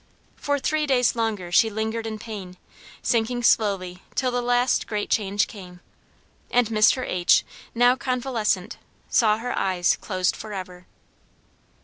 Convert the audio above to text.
For three days longer she lingered in pain, sinking slowly till the last great change came, and Mr. H., now convalescent, saw her eyes closed for ever.